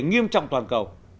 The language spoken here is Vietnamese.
nghiêm trọng toàn cầu